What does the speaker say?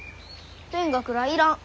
勉学らあいらん。